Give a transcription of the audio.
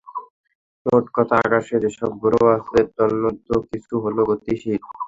মোটকথা, আকাশে যেসব গ্রহ আছে, তন্মধ্যে কিছু হলো গতিশীল।